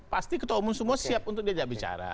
pasti ketua umum semua siap untuk diajak bicara